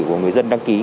của người dân đăng ký